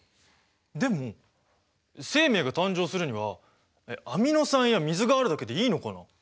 でも生命が誕生するにはアミノ酸や水があるだけでいいのかな？